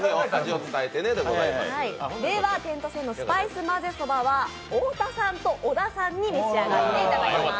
では点と線．のスパイスまぜそばは太田さんと小田さんに召し上がっていただきます。